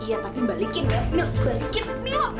iya tapi balikin mil balikin mil